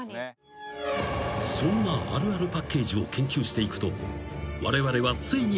［そんなあるあるパッケージを研究していくとついに］